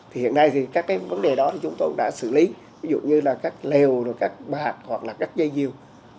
thì hiện nay thì các cái vấn đề đó thì chúng tôi đã xử lý ví dụ như là các lều các bạt hoặc là các dây diều